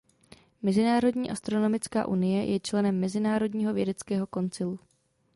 Mezinárodní astronomická unie je členem Mezinárodního vědeckého koncilu.